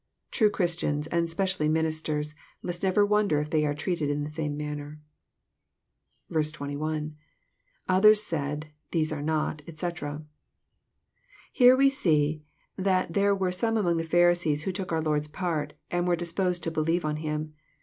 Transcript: True Christians, and specially ministers, must never wonder if they are treated in the same manner. 21. — [Others said. These are not, etc.'] Here we see that there were some among the Pharisees who took our Lord's part, and were disposed to believe op Him.